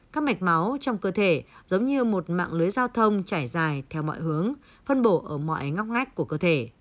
các mạch máu trong cơ thể giống như một mạng lưới giao thông trải dài theo mọi hướng phân bổ ở mọi ngóc ngách của cơ thể